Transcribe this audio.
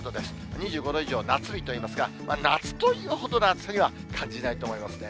２５度以上、夏日といいますが、夏というほどの暑さには感じないと思いますね。